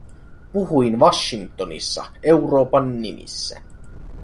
Puhuin Washingtonissa Euroopan nimissä.